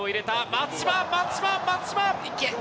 松島、松島、松島。